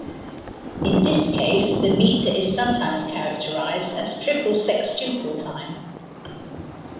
In this case, the metre is sometimes characterized as "triple sextuple time".